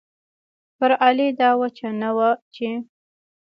پر علي دا وچه نه وه چې